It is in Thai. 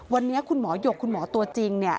วันนี้คุณหมอหยกคุณหมอตัวจริง